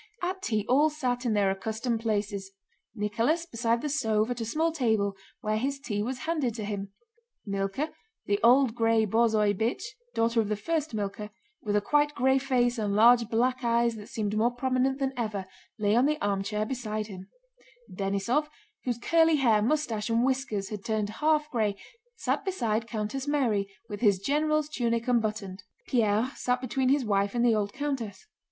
At tea all sat in their accustomed places: Nicholas beside the stove at a small table where his tea was handed to him; Mílka, the old gray borzoi bitch (daughter of the first Mílka), with a quite gray face and large black eyes that seemed more prominent than ever, lay on the armchair beside him; Denísov, whose curly hair, mustache, and whiskers had turned half gray, sat beside countess Mary with his general's tunic unbuttoned; Pierre sat between his wife and the old countess.